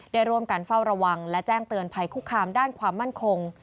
ได้ร่วมกันเฝ้าระวังและแจ้งเตือนภัยคุกคามด้านความมั่นคง